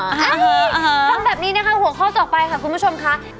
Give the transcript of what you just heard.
ฟังแบบนี้นะคะหัวข้อต่อไปค่ะคุณผู้ชมค่ะ